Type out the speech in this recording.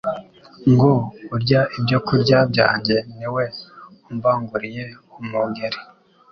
ngo " urya ibyo kurya byanjye ni we umbanguriye umugeri."